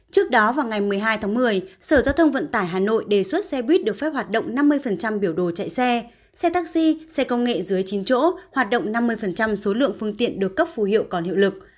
trước đó vào ngày một mươi hai tháng một mươi sở giao thông vận tải hà nội đề xuất xe buýt được phép hoạt động năm mươi biểu đồ chạy xe xe taxi xe công nghệ dưới chín chỗ hoạt động năm mươi số lượng phương tiện được cấp phù hiệu còn hiệu lực